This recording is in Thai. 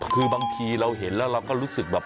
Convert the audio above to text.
คือบางทีเราเห็นแล้วเราก็รู้สึกแบบ